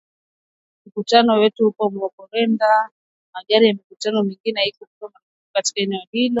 “Mkutano wetu huko Marondera ulipigwa marufuku na bado mkutano wa Zanu PF ulikuwa kwenye magari na mikutano mingine haikupigwa marufuku katika eneo hilo-hilo